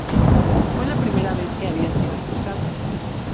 Fue la primera vez que había sido expulsado.